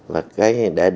để thu hút được điều đó